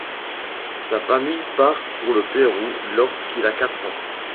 Sa famille part pour le Pérou lorsqu’il a quatre ans.